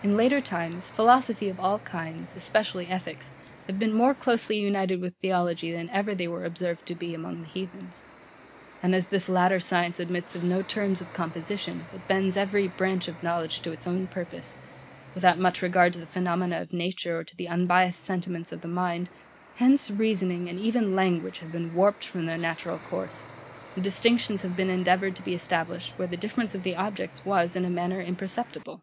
In later times, philosophy of all kinds, especially ethics, have been more closely united with theology than ever they were observed to be among the heathens; and as this latter science admits of no terms of composition, but bends every branch of knowledge to its own purpose, without much regard to the phenomena of nature, or to the unbiassed sentiments of the mind, hence reasoning, and even language, have been warped from their natural course, and distinctions have been endeavoured to be established where the difference of the objects was, in a manner, imperceptible.